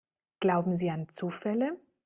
Glauben Sie an Zufälle?